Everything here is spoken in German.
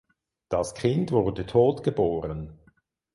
Das Kind wurde tot geboren.